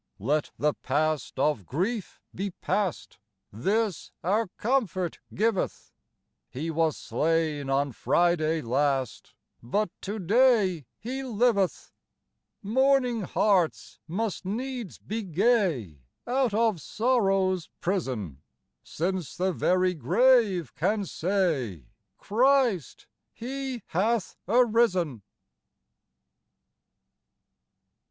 I2T Let the past of grief be past : This our comfort giveth, — He was slain on Friday last, But to day He liveth : Mourning hearts must needs be gay Out of sorrow's prison, Since the very grave can say, " Christ — He hath arisen